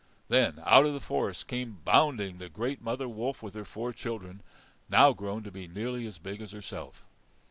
Then out of the forest came bounding the great mother wolf with her four children, now grown to be nearly as big as herself.